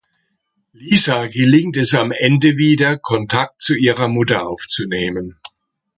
Lisa gelingt es am Ende wieder Kontakt zu ihrer Mutter aufzunehmen.